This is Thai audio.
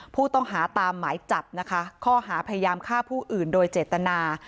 ผู้ต้องหาตามหมายจับนะคะข้อหาพยายามฆ่าผู้อื่นโดยเจตนา